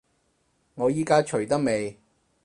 我依家除得未？